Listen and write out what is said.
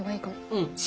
うん。